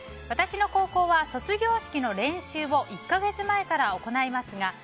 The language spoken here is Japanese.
私の高校は卒業式の練習を１か月前から行いますが